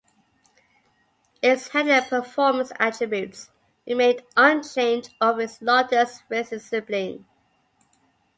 Its handling and performance attributes remained unchanged over its Lotus Racing sibling.